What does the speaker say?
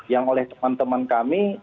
yang oleh teman teman kami